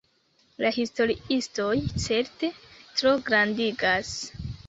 La historiistoj certe trograndigas!